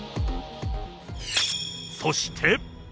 そして。